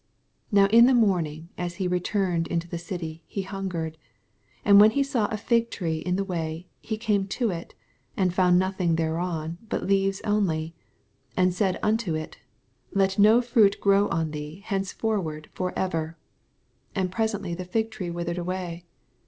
18 Now in the mormng as he re turned into the city, he hungered. 19 And when he saw a fig tree in the way, he came to it, and &und nothing thereon, but leaves onlj^Jknd said unto it, Let no fruit grow on thee henceforward forever. And presently the fig tree withered away.